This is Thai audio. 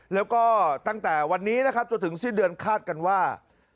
แล้วก็ตั้งแต่วันนี้นะครับจนถึงสิ้นเดือนคาดกันว่า